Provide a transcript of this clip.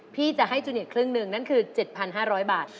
พี่จะให้จูเนียครึ่งหนึ่งนั่นคือ๗๕๐๐บาท